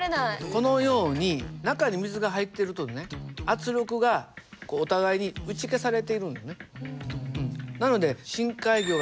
このように中に水が入っているとね圧力がこうお互いに打ち消されているのね。